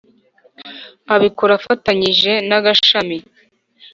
Abikora afatanyije n’Agashami